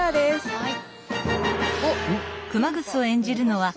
はい。